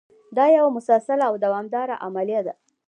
دا یوه مسلسله او دوامداره عملیه ده.